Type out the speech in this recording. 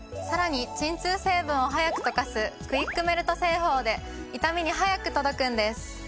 さらに鎮痛成分を速く溶かすクイックメルト製法で痛みに速く届くんです。